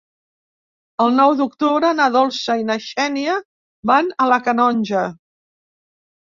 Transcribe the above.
El nou d'octubre na Dolça i na Xènia van a la Canonja.